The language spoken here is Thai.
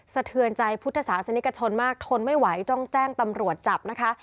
เทือนใจพุทธศาสนิกชนมากทนไม่ไหวต้องแจ้งตำรวจจับนะคะ